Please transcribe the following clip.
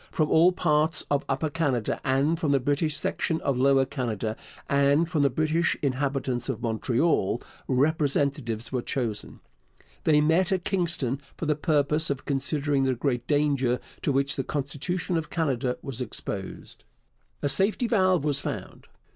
From all parts of Upper Canada, and from the British section of Lower Canada, and from the British inhabitants of Montreal, representatives were chosen. They met at Kingston for the purpose of considering the great danger to which the constitution of Canada was exposed. A safety valve was found.